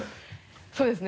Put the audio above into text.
そうですね